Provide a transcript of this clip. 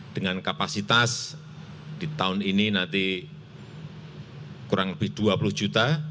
dengan kapasitas di tahun ini nanti kurang lebih dua puluh juta